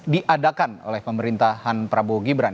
diadakan oleh pemerintahan prabowo gibran